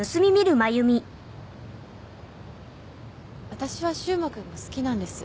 私は柊磨君が好きなんです。